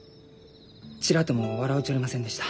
ちらとも笑うちょりませんでした。